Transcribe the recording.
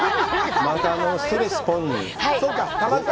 またストレスポンに。